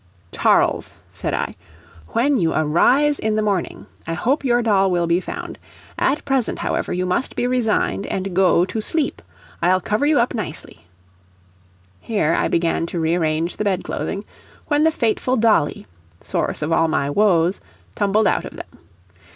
"Charles," said I, "when you arise in morning, I hope your doll will be found. At present, however, you must be resigned and go to sleep. I'll cover you up nicely;" here I began to rearrange the bed clothing, when the fateful dolly, source of all my woes, tumbled out of them.